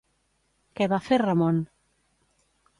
Què va fer Ramon?